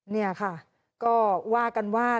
นี่ค่ะก็ว่ากันว่า